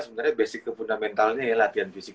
sebenarnya basic fundamentalnya ya latihan fisiknya